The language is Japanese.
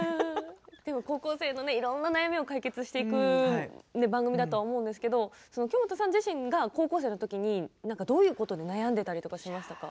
高校生、いろんな悩みを解決していく番組だと思うんですけど京本さん自身、高校生のときにどういうことで何を悩んでいたりしましたか？